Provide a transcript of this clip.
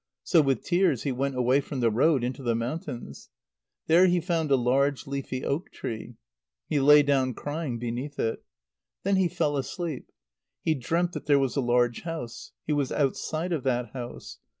So, with tears, he went away from the road into the mountains. There he found a large, leafy oak tree. He lay down crying beneath it. Then he fell asleep. He dreamt that there was a large house. He was outside of that house.